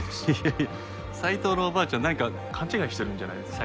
いや斉藤のおばあちゃんなんか勘違いしてるんじゃないですか？